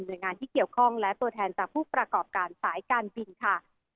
โดยงานที่เกี่ยวข้องและตัวแทนจากผู้ประกอบการสายการบินค่ะ